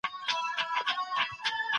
ډیپلوماسي د تفاهم او خبرو اترو لار ده.